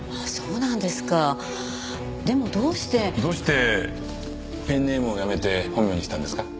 どうしてペンネームをやめて本名にしたんですか？